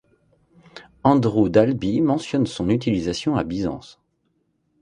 Andrew Dalby mentionne son utilisation à Byzance.